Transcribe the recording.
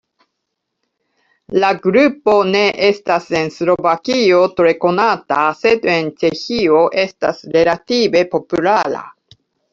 La grupo ne estas en Slovakio tre konata, sed en Ĉeĥio estas relative populara.